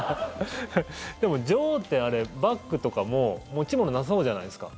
でも女王ってバッグとかも持ち物なさそうじゃないですか。